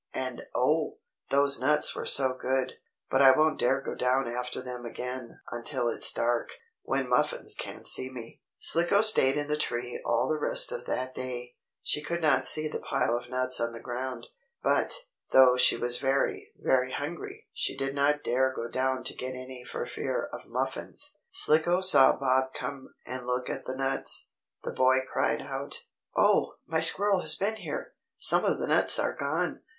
And oh! those nuts were so good. But I won't dare go down after them again until it's dark, when Muffins can't see me." Slicko stayed in the tree all the rest of that day. She could see the pile of nuts on the ground, but, though she was very, very hungry, she did not dare go down to get any for fear of Muffins. Slicko saw Bob come and look at the nuts. The boy cried out: "Oh, my squirrel has been here! Some of the nuts are gone!